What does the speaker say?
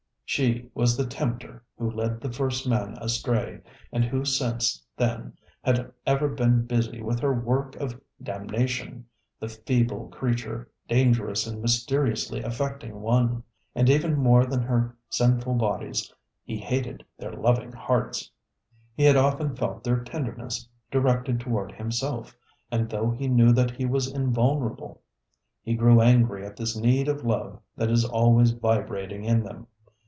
ŌĆØ She was the tempter who led the first man astray, and who since then had ever been busy with her work of damnation, the feeble creature, dangerous and mysteriously affecting one. And even more than their sinful bodies, he hated their loving hearts. He had often felt their tenderness directed toward himself, and though he knew that he was invulnerable, he grew angry at this need of love that is always vibrating in them.